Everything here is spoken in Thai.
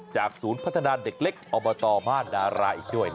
ศูนย์พัฒนาเด็กเล็กอบตบ้านดาราอีกด้วย